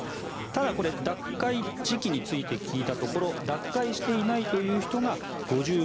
ただ、脱会時期について聞いたところ脱会していないという人が５６．３％。